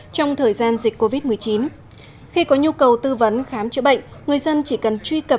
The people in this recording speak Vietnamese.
trong thời gian dịch covid một mươi chín khi có nhu cầu tư vấn khám chữa bệnh người dân chỉ cần truy cập